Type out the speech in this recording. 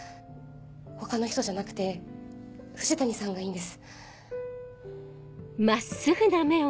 他の人じゃなくて藤谷さんがいいんです。